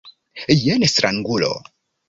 Jen strangulo.